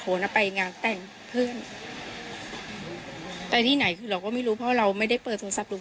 ไปเอาใบอะไรนะคือเขามีควรจัดการให้เพราะเราไม่สามารถเข้าไปทำอะไรได้เลยอ่ะ